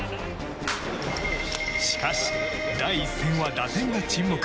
しかし、第１戦は打線が沈黙。